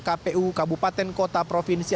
kpu kabupaten kota provinsi